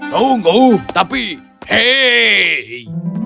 tunggu tapi hei